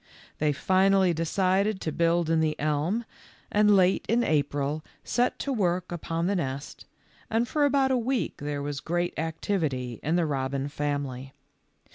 They finally decided to build in the elm, and late in April set to work upon the nest, and for about a week there was great activity in the robin family.